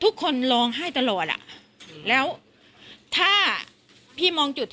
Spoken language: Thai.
กินโทษส่องแล้วอย่างนี้ก็ได้